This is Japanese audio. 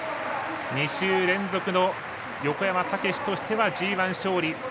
２週連続の横山武史としてはＧＩ勝利。